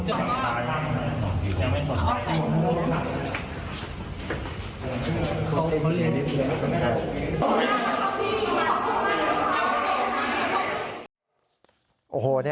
คนนี้คุณพี่